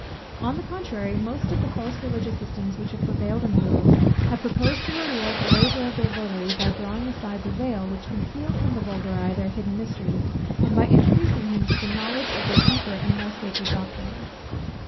On the contrary, most of the false religious systems which have prevailed in the world, have proposed to reward the labour of their votary, by drawing aside the veil which concealed from the vulgar eye their hidden mysteries, and by introducing him to the knowledge of their deeper and more sacred doctrines.